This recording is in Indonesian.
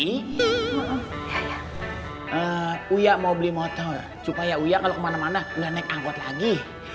ya ya ya ya mau beli motor supaya uya kalau kemana mana udah naik anggot lagi